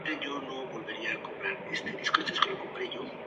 Primero comienza a revivir sus recuerdos de niñez y juventud.